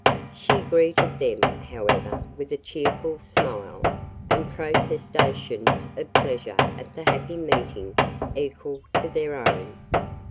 She greeted them, however, with a cheerful smile, and protestations of pleasure at the happy meeting equal to their own.